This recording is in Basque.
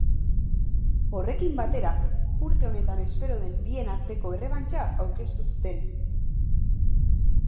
Horrekin batera, urte honetan espero den bien arteko errebantxa aurkeztu zuten.